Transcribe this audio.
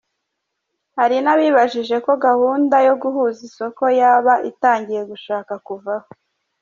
Hari n’abibajije ko gahunda yo guhuza isoko yaba itangiye gushaka kuvaho.